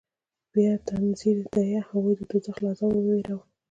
بيا تنذير ديه هغوى د دوزخ له عذابه ووېروه.